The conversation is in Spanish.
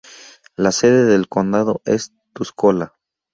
La sede del condado es Tuscola.